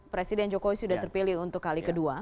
presiden jokowi sudah terpilih untuk kali kedua